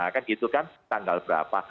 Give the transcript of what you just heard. kan gitu kan tanggal berapa